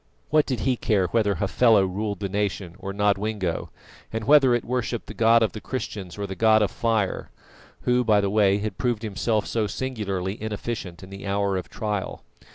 What did he care whether Hafela ruled the nation or Nodwengo, and whether it worshipped the God of the Christians or the god of Fire who, by the way, had proved himself so singularly inefficient in the hour of trial.